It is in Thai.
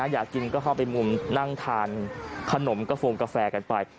อยากกินก็เข้าไปมุมนั่งทานขนมกระโฟงกาแฟกันไป